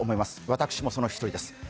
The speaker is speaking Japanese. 私もその一人です。